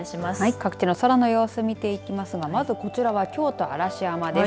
各地の空の様子を見ていきますがまずこちらは京都の嵐山です。